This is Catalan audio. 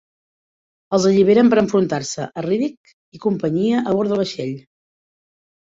Els alliberen per enfrontar-se a Riddick i companyia a bord del vaixell.